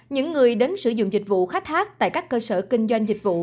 những người đến sử dụng dịch vụ khách hát tại các cơ sở kinh doanh dịch vụ